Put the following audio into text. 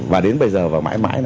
và đến bây giờ và mãi mãi